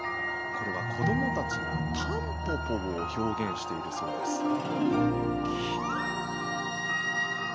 これは子どもたちがタンポポを表現しているそうです。